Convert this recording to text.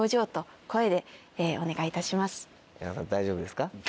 大丈夫ですか？